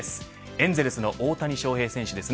エンゼルスの大谷選手です。